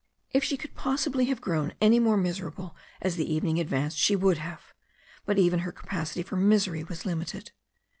If she could possibly have grown any more miserable as the evening advanced she would have, but even her capacity for misery was limited.